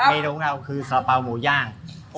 ในร้องราวคือสระเป๋าหมูย่าง